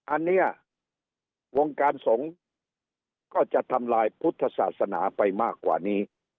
อันนี้วงการสงฆ์ก็จะทำลายพุทธศาสนาไปมากกว่านี้